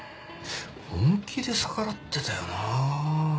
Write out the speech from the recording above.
本気で逆らってたよなあ。